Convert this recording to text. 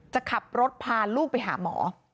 จะขับรถพาลูกไปหาหมอ